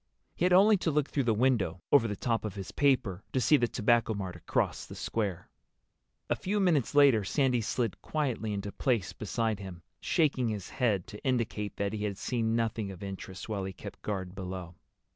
He had only to look through the window, over the top of his paper, to see the Tobacco Mart across the square. A few minutes later Sandy slid quietly into place beside him, shaking his head to indicate that he had seen nothing of interest while he kept guard below.